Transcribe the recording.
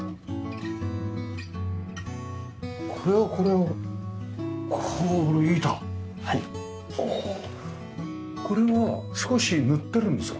はあこれは少し塗ってるんですか？